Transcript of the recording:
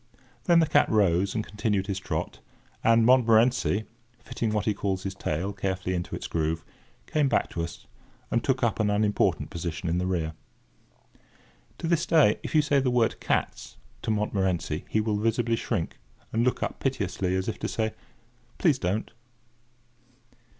Then the cat rose, and continued his trot; and Montmorency, fitting what he calls his tail carefully into its groove, came back to us, and took up an unimportant position in the rear. To this day, if you say the word "Cats!" to Montmorency, he will visibly shrink and look up piteously at you, as if to say: "Please don't."